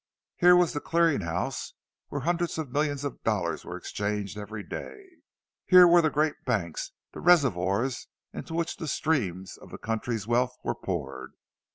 Here was the clearing house, where hundreds of millions of dollars were exchanged every day. Here were the great banks, the reservoirs into which the streams of the country's wealth were poured.